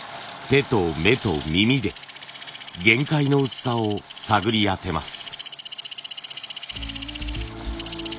手と目と耳で限界の薄さを探り当てます。